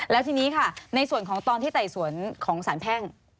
แล้วทีนี้ค่ะในส่วนของตอนที่ไต่สวนของสารแพ่ง